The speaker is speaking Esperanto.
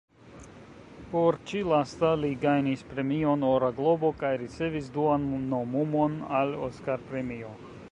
Por ĉi-lasta, li gajnis Premion Ora Globo kaj ricevis duan nomumon al Oskar-premio.